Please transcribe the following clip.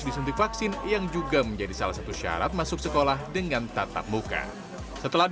disuntik vaksin yang juga menjadi salah satu syarat masuk sekolah dengan tatap muka setelah